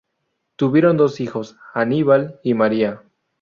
Tuvieron dos hijos: Aníbal y Maria.